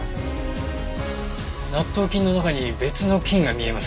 納豆菌の中に別の菌が見えます。